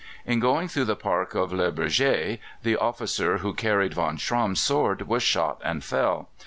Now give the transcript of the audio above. In going through the park of Le Bourget the officer who carried von Schramm's sword was shot and fell.